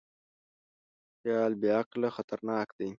خیال بېعقله خطرناک دی.